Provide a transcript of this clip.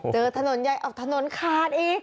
เจอทะโน่นไยออกทะโน่นคราดอีก